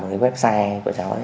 một cái website của cháu ấy